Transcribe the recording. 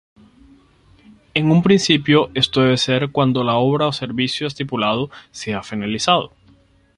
En un principio esto debe ser cuando la obra o servicio estipulado sea finalizado.